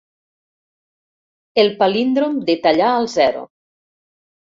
El palíndrom de tallar al zero.